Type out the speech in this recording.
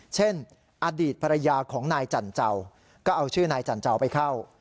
เช่นอดีตภรรยาของนายจันเจ้าก็เอาชื่อนายจันเจ้าไปเข้า